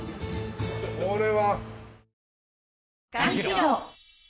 これは。